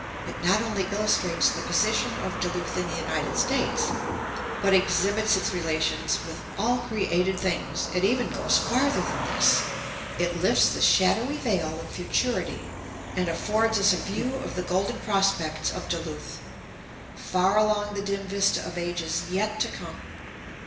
It not only illustrates the position of Duluth in the United States, but exhibits its relations with all created things. It even goes farther than this. It lifts the shadowy veil of futurity, and affords us a view of the golden prospects of Duluth far along the dim vista of ages yet to come.